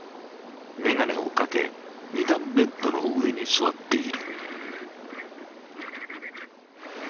眼鏡をかけ、２段ベッドの上に座っている。